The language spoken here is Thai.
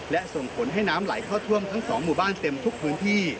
และส่งผลให้น้ำไหลเข้าท่วมทั้ง๒หมู่บ้านเต็มทุกพื้นที่